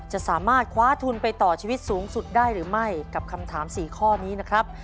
จะสามารถคว้าทุนไปต่อชีวิตสูงสุดได้หรือไม่กับคำถาม๔ข้อนี้นะครับ